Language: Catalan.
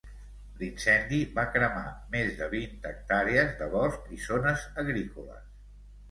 L'incendi va cremar més de vint hectàrees de bosc i zones agrícoles.